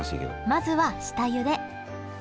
まずは下ゆで。